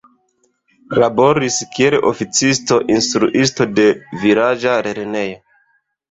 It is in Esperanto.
Laboris kiel oficisto, instruisto de vilaĝa lernejo.